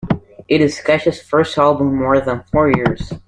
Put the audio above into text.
It is Cash's first album in more than four years.